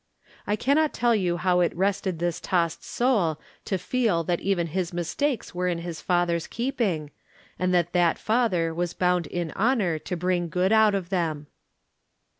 I can not tell you how it rested this tossed soul to feel that even his mistakes were in his Father's keeping, and that that Father was bound in honor to bring good out of them.